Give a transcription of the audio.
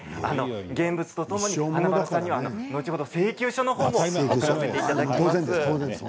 現物とともに華丸さんには後ほど請求書を送らせていただきます。